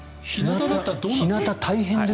日なたは大変です。